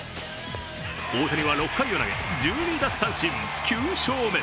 大谷は６回を投げ、１２奪三振９勝目。